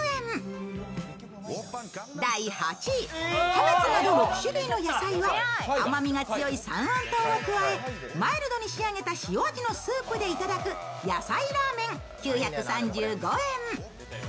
キャベツなど６種類の野菜を甘みが強い三温糖を加えマイルドに仕上げた塩味のスープでいただく野菜らーめん９３５円。